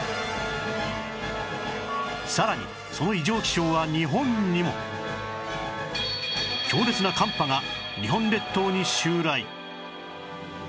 さらにその異常気象は日本にも！強烈な寒波が日本列島に襲来